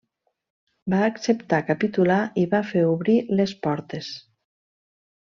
Va acceptar capitular i va fer obrir les portes.